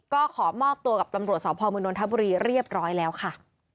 ก็ขอมอบตัวกับตำรวจสพมนนทบุรีเรียบร้อยแล้วค่ะ